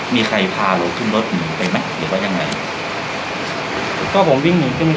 มีใครพาเราขึ้นรถหนีไปไหมหรือว่ายังไงก็ผมวิ่งหนีขึ้นไป